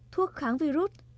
thuốc kháng virus